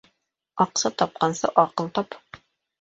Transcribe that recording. Аҡса тапҡансы аҡыл тап.